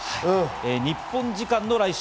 日本時間の来週